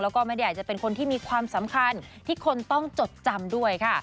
แล้วก็ไม่ได้อยากจะเป็นคนที่มีความสำคัญที่คนต้องจดจำด้วยค่ะ